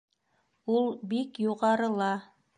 — Ул бик юғарыла.